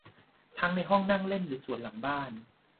ทั้งในห้องนั่งเล่นหรือสวนหลังบ้าน